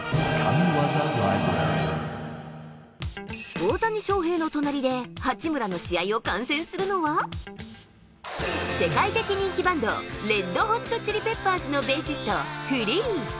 大谷翔平の隣で八村の試合を観戦するのは世界的人気バンドレッド・ホット・チリ・ペッパーズのベーシスト、フリー。